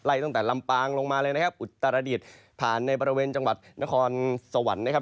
ตั้งแต่ลำปางลงมาเลยนะครับอุตรดิษฐ์ผ่านในบริเวณจังหวัดนครสวรรค์นะครับ